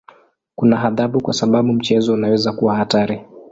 Kuna adhabu kwa sababu mchezo unaweza kuwa hatari.